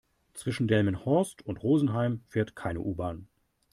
Zwischen Delmenhorst und Rosenheim fährt keine U-Bahn